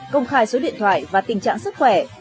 công khai số điện thoại và tình trạng sức khỏe